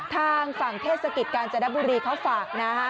ทางฝั่งเทศกิจกาญจนบุรีเขาฝากนะฮะ